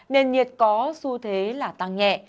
nền nhiệt có xu thế là tăng nhẹ